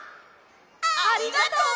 ありがとう！